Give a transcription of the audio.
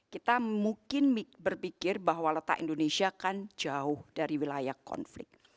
kita mungkin berpikir bahwa letak indonesia kan jauh dari wilayah konflik